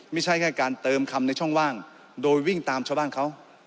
ไม่ใช่แค่การเติมคำในช่องว่างโดยวิ่งตามชาวบ้านเขา